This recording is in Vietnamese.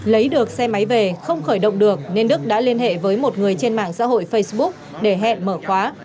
lấy được xe máy về không khởi động được nên đức đã liên hệ với một người trên mạng xã hội facebook để hẹn mở khóa